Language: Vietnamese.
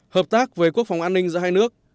hợp tác với quốc phòng an ninh giữa hai nước